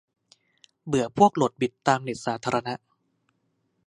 เบื่อพวกโหลดบิทตามเน็ตสาธารณะ